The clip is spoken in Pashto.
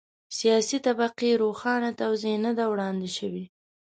سیاسي طبقې روښانه توضیح نه ده وړاندې شوې.